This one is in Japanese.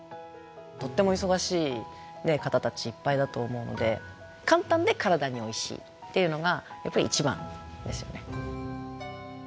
とっても忙しい方たちいっぱいだと思うので簡単で体においしいっていうのがやっぱり一番ですよね。